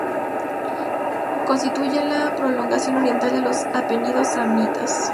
Constituye la prolongación oriental de los Apeninos samnitas.